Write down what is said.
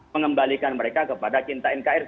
mengembalikan mereka kepada cinta nkr